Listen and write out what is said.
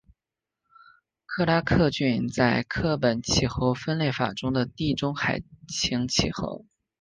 克拉克郡在柯本气候分类法中为地中海型气候。